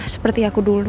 seperti aku dulu